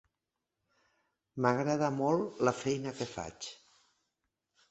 M'agrada molt la feina que faig.